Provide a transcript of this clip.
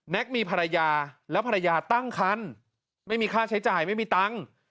มีภรรยาแล้วภรรยาตั้งคันไม่มีค่าใช้จ่ายไม่มีตังค์